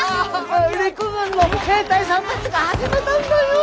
陸軍の兵隊さんたちが始めたんだよ！